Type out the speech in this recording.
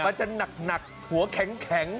มันจะหนักหัวแข็ง